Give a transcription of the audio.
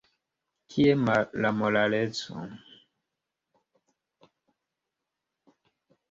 Kie la moraleco?